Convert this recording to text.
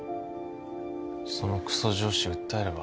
そのクソ上司訴えれば？